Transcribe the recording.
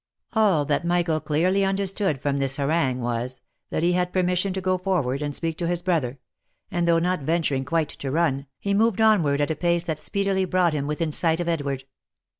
All that Michael clearly understood from this harangue was, that he had permission to go forward and speak to his brother ; and though not venturing quite to run, he moved onward at a pace that speedily brought him within sight of Edward.